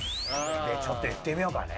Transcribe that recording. でちょっといってみようかね。